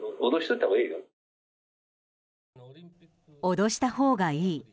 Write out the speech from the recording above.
脅したほうがいい。